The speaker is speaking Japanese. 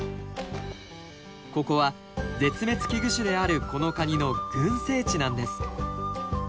ここは絶滅危惧種であるこのカニの群生地なんです。